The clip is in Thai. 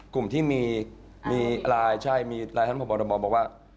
กลุ่มที่มีไลน์ใช่มีไลน์ท่านพบบอกว่า